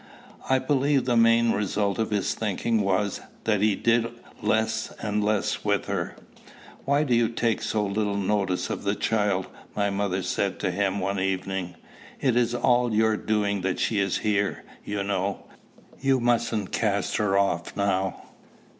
I believe the main result of his thinking was, that he did less and less with her. "Why do you take so little notice of the child?" my mother said to him one evening. "It is all your doing that she is here, you know. You mustn't cast her off now."